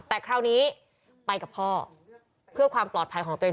แต่คราวนี้ไปกับพ่อเพื่อความปลอดภัยของตัวเอง